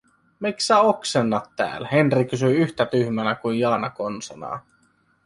"Miks sä oksennat tääl?", Henri kysyi yhtä tyhmänä kuin Jaana konsanaan.